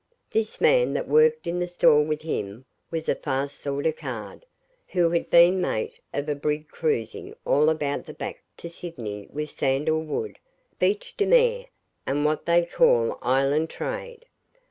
This man that worked in the store with him was a fast sort of card, who had been mate of a brig cruising all about and back to Sydney with sandalwood, beche de mer, and what they call island trade.